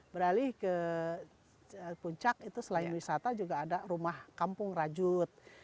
beralih ke puncak itu selain wisata juga ada rumah kampung rajut